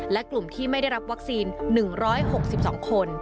และกลุ่มที่ไม่ได้รับวัคซีน๑๖๒คน